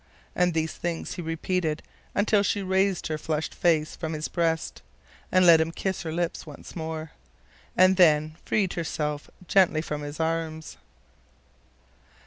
And these things he repeated until she raised her flushed face from his breast, and let him kiss her lips once more, and then freed herself gently from his arms.